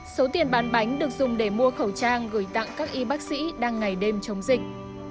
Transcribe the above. số tiền bán bánh được dùng để mua khẩu trang gửi tặng các y bác sĩ đang ngày đêm chống dịch